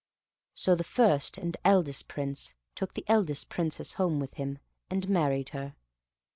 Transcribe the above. So the first and eldest Prince took the eldest Princess home with him, and married her.